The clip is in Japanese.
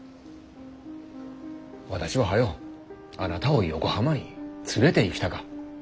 私は早うあなたを横浜に連れていきたか。